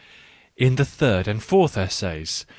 In the third and fourth essays, |!